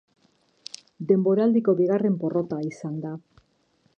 Denboraldiko bigarren porrota izan da.